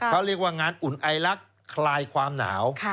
เขาเรียกว่างานอุ่นไอลักษณ์คลายความหนาว